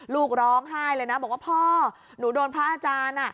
ลูกร้องไห้เลยนะบอกว่าพ่อหนูโดนพระอาจารย์